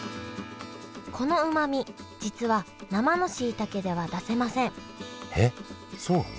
このうまみ実は生のしいたけでは出せませんえっそうなの？